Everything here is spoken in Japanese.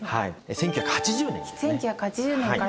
１９８０年から。